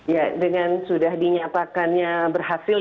ya dengan sudah dinyatakannya berhasil